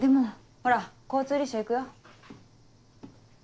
ほら交通立哨行くよ。